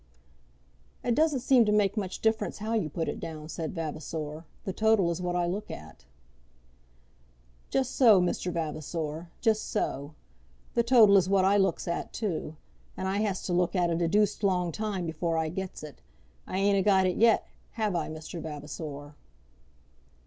"It doesn't seem to make much difference how you put it down," said Vavasor. "The total is what I look at." "Just so, Mr. Vavasor; just so. The total is what I looks at too. And I has to look at it a deuced long time before I gets it. I ain't a got it yet; have I, Mr. Vavasor?"